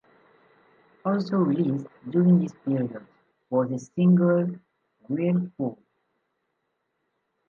Also released during this period was the single "Whirlpool".